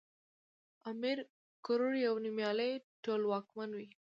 امير کروړ يو نوميالی ټولواکمن وی